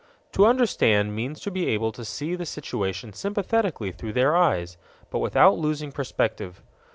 To understand means to be able to see the situation sympathetically through their eyes, but without losing perspective.